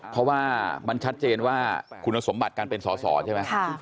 เพราะว่ามันชัดเจนว่าคุณสมบัติการเป็นสอสอใช่ไหม